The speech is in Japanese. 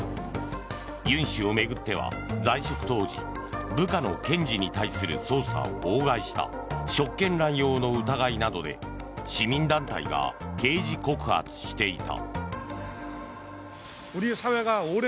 ユン氏を巡っては在職当時部下の検事に対する捜査を妨害した職権乱用の疑いなどで市民団体が刑事告発していた。